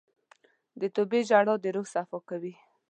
د توبې ژړا د روح صفا کوي.